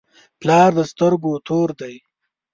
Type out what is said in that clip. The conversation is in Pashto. پلار د سترګو تور دی.